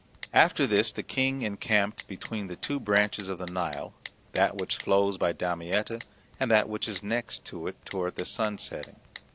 After this the King encamped between the two branches of the Nile, that which flows by Damietta and that which is the next to it toward the sunsetting.